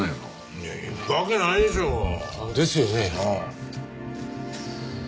いや行くわけないでしょ。ですよね？